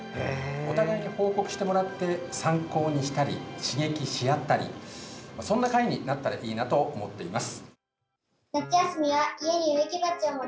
お互いに報告してもらって参考にしたり刺激し合ったりそんな会になったらいいなと思っています。